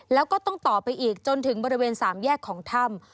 แล้วก็ต้องต่อไปอีกจนถึงบริเวณ๓แยกของถ้ำ